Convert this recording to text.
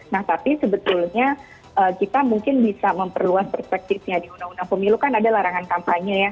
nah tapi sebetulnya kita mungkin bisa memperluas perspektifnya di undang undang pemilu kan ada larangan kampanye ya